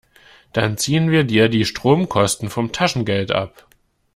Dann ziehen wir dir die Stromkosten vom Taschengeld ab.